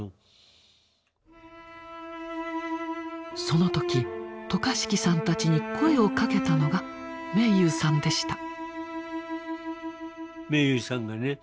その時渡嘉敷さんたちに声をかけたのが明勇さんでした。